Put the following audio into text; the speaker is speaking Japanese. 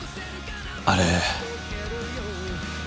「あれ」